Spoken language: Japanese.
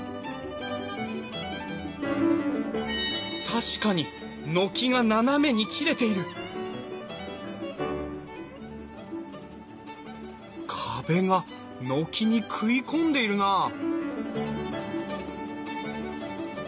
確かに軒が斜めに切れている壁が軒に食い込んでいるなあ